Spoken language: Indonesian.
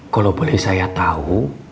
kalo boleh saya tau